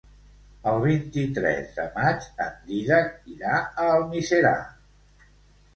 El vint-i-tres de maig en Dídac irà a Almiserà.